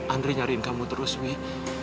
andre nyariin kamu terus wih